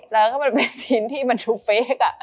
แล้วเป็นสินที่คือฟัส